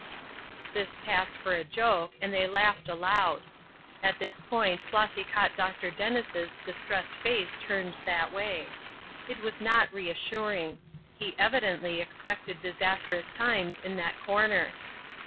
This passed for a joke, and they laughed aloud. At this point Flossy caught Dr. Dennis' distressed face turned that way. It was not reassuring; he evidently expected disastrous times in that corner.